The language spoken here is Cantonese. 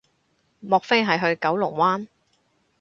莫非係去九龍灣